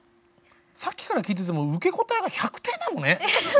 さっきから聞いてても受け答えが１００点なのね。